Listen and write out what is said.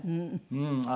うん。